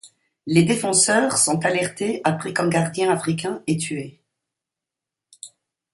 Les défenseurs sont alertés après qu'un gardien africain est tué.